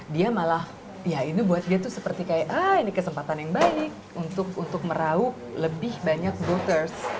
dia malah ya ini buat dia tuh seperti kayak ah ini kesempatan yang baik untuk meraup lebih banyak broothers